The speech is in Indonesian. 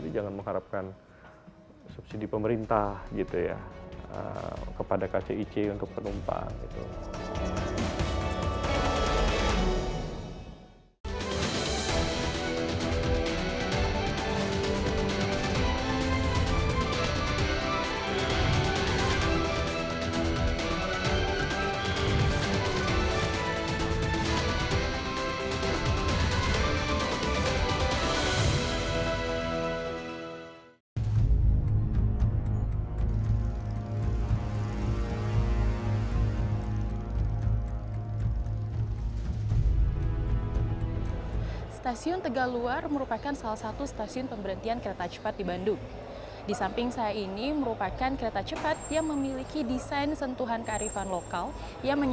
jadi jangan mengharapkan subsidi pemerintah gitu ya kepada kcic untuk penumpang